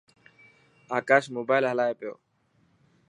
آڪاش موبائل هلائي پيو.